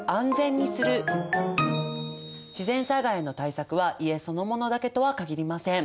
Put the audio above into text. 自然災害への対策は家そのものだけとは限りません。